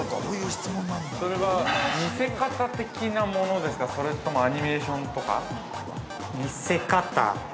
それは見せ方的なものですかそれともアニメーションとか。